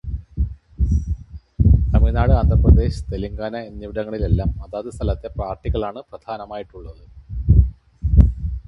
തമിഴ്നാട്, ആന്ധ്രാപ്രദേശ്, തെലങ്കാന എന്നിവിടങ്ങളിലെല്ലാം അതത് സ്ഥലത്തെ പാർട്ടികളാണ് പ്രധാനമായിട്ടുള്ളത്.